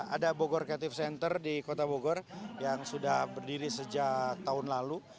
ada bogor creative center di kota bogor yang sudah berdiri sejak tahun lalu